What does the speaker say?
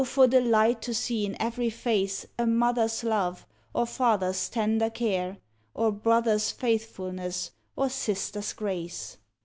for the Light to see in every face A mother s love, or father s tender care, Or brother s faithfulness, or sister s grace!